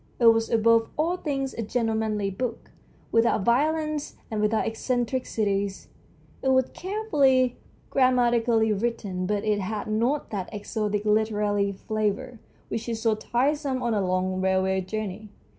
It was above all things a gentlemanly book, without violence and without eccentricities. It was carefully and grammatically written ; but it had not that exotic literary flavour which is so tiresome on a long railway journey.